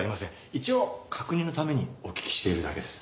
一応確認のためにお聞きしているだけです。